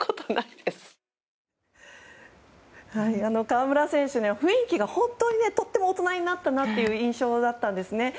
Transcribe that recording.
河村選手、雰囲気が本当にとても大人になったなという印象だったんですね。